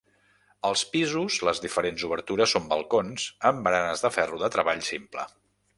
Als pisos les diferents obertures són balcons, amb baranes de ferro de treball simple.